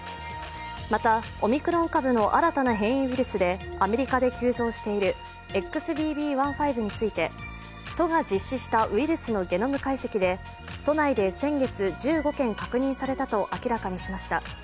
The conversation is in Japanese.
また、オミクロン株の新たな変異ウイルスでアメリカで急増しているＸＢＢ．１．５について都が実施したウイルスのゲノム解析で都内で先月、１５件確認されたと明らかにしました。